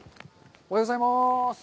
おはようございます。